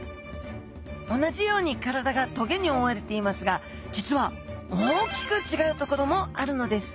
同じように体が棘に覆われていますが実は大きく違うところもあるのです。